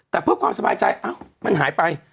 แต่เพื่อความสบายใจมันหายไป